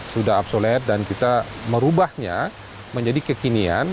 sudah absolet dan kita merubahnya menjadi kekinian